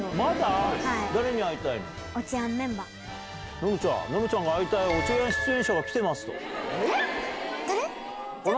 誰に会いたいの？